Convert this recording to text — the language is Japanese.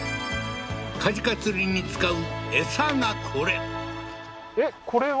カジカ釣りに使う餌がこれえっ？